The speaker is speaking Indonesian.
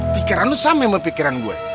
pikiran lu sama emang pikiran gua